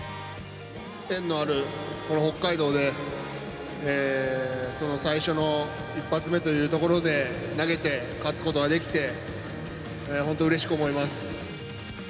縁のあるこの北海道で最初の一発目というところで投げて勝つことができてほんと、うれしく思います。